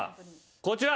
こちら。